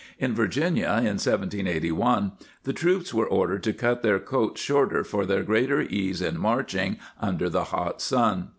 * In Virginia in 1781 the troops were ordered to cut their coats shorter for their greater ease in march ing under the hot sun.